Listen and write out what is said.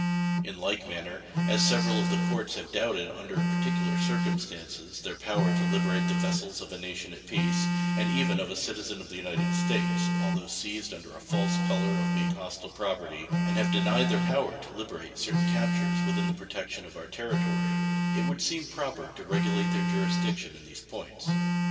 In like manner, as several of the courts have doubted, under particular circumstances, their power to liberate the vessels of a nation at peace, and even of a citizen of the United States, although seized under a false color of being hostile property, and have denied their power to liberate certain captures within the protection of our territory, it would seem proper to regulate their jurisdiction in these points.